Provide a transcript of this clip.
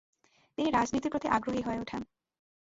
তিনি রাজনীতির প্রতি আগ্রহী হয়ে উঠেন।